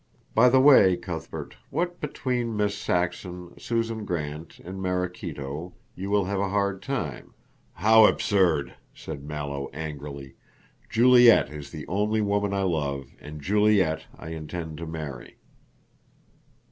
By the way, Cuthbert, what between Miss Saxon, Susan Grant and Maraquito, you will have a hard time." "How absurd!" said Mallow angrily. "Juliet is the only woman I love and Juliet I intend to marry."